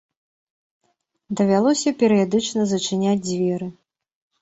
Давялося перыядычна зачыняць дзверы.